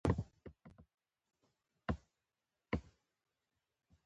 خرما د شیدو کیفیت لوړوي.